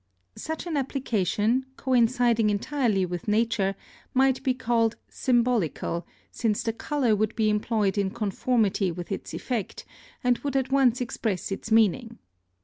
Such an application, coinciding entirely with nature, might be called symbolical, since the colour would be employed in conformity with its effect, and would at once express its meaning.